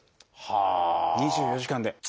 ２４時間で。